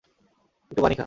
একটু পানি খা।